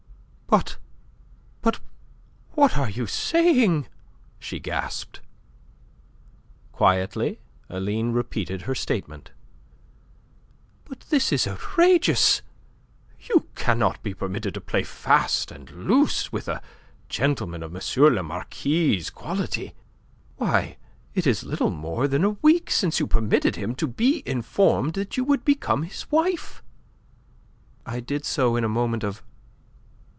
"But... but... what are you saying?" she gasped. Quietly Aline repeated her statement. "But this is outrageous! You cannot be permitted to play fast and loose with a gentleman of M. le Marquis' quality! Why, it is little more than a week since you permitted him to be informed that you would become his wife!" "I did so in a moment of...